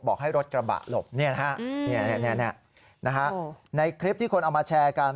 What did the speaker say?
บอกให้รถกระบะหลบในคลิปที่คนเอามาแชร์กัน